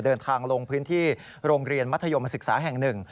เดินทางลงพื้นที่โรงเรียนมัธยมศึกษาแห่งหนึ่ง